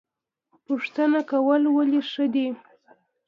پوښتنه کول ولې ښه دي؟